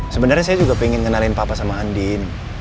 sebenernya saya juga pengen kenalin papa sama andien